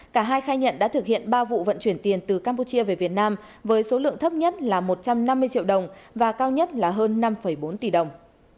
cả hai khai nhận đã thực hiện ba vụ vận chuyển tiền từ campuchia về việt nam với số lượng thấp nhất là một trăm năm mươi triệu đồng và cao nhất là hơn năm bốn tỷ đồng